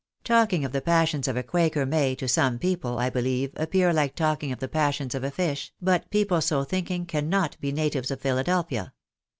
Talking of the passions of a quaker may, to some people, I believe, appear like talking of the passions of a fish, but people so thinking cannot be natives of Philadelphia.